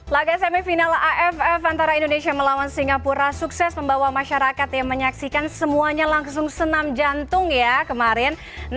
laga semifinal aff antara indonesia melawan singapura sukses membawa masyarakat yang menyaksikan semuanya langsung senam jantung ya kemarin